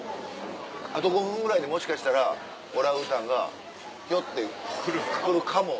あと５分ぐらいでもしかしたらオランウータンがヒョって来るかも。